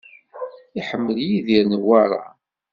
Iḥemmel Yidir Newwara.